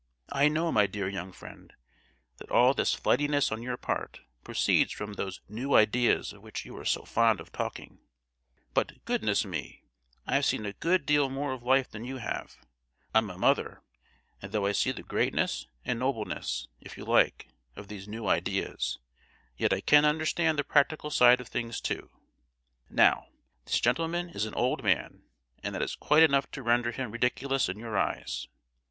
I know, my dear young friend, that all this flightiness on your part, proceeds from those 'new ideas' of which you are so fond of talking; but, goodness me, I've seen a good deal more of life than you have: I'm a mother; and though I see the greatness and nobleness, if you like, of these 'new ideas,' yet I can understand the practical side of things too! Now, this gentleman is an old man, and that is quite enough to render him ridiculous in your eyes.